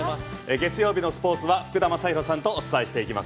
月曜日のスポーツは福田正博さんとお伝えしていきます。